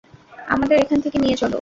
আমাদের এখান থেকে নিয়ে চলো!